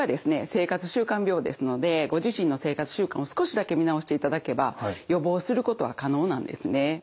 生活習慣病ですのでご自身の生活習慣を少しだけ見直していただけば予防することは可能なんですね。